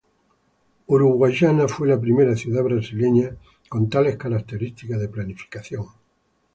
Uruguayana fue la primera ciudad brasileña con tales característica de planificación.